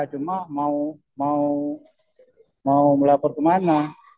cuma mau melapor kemana